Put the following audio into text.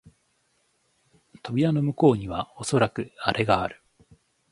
扉の向こうにはおそらくアレがある